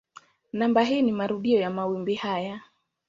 Namba hii ni marudio ya mawimbi haya.